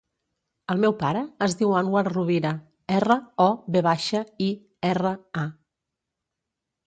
El meu pare es diu Anwar Rovira: erra, o, ve baixa, i, erra, a.